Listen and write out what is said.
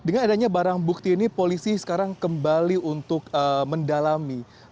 dan dengan adanya barang bukti ini polisi sekarang kembali untuk mendalami